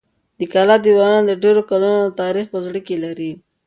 د کلا دېوالونه د ډېرو کلونو تاریخ په زړه کې لري.